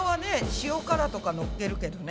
塩辛とかのっけるけどね。